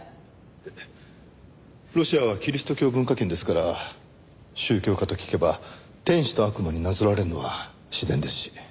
でロシアはキリスト教文化圏ですから宗教家と聞けば天使と悪魔になぞらえるのは自然ですし。